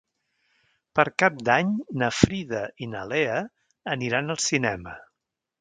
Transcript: Per Cap d'Any na Frida i na Lea aniran al cinema.